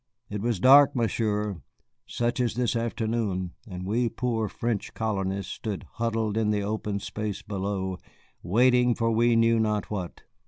It was dark, Monsieur, such as this afternoon, and we poor French colonists stood huddled in the open space below, waiting for we knew not what."